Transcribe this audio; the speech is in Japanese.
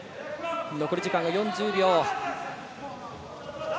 残り時間が４０秒。